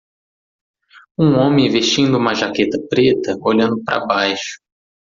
Um homem vestindo uma jaqueta preta, olhando para baixo.